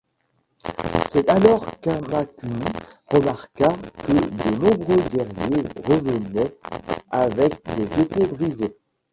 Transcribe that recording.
C'est alors qu'Amakuni remarqua que de nombreux guerriers revenaient avec des épées brisées.